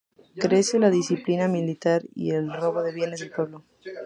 Crece la indisciplina militar y el robo de bienes del pueblo.